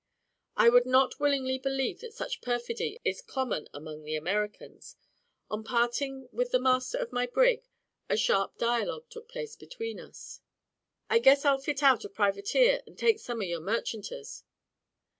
I would not willingly believe that such perfidy is common among the Americans. On parting with the master of my brig, a sharp dialogue took place between us. "I guess I'll fit out a privateer, and take some o' your merchanters."